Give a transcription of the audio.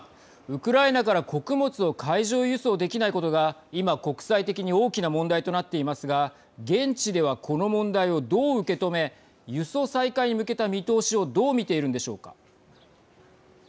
ウクライナから穀物を海上輸送できないことが今、国際的に大きな問題となっていますが現地ではこの問題をどう受け止め輸送再開に向けた見通しをどう見ているんでしょうか。